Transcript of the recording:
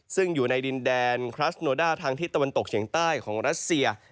ซึ่งอยู่ในดินแดนคลัสโนด้าทางทิศตะวันตกเฉียงใต้ของรัสเซีย